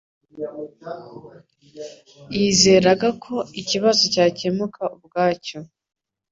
Yizeraga ko ikibazo cyakemuka ubwacyo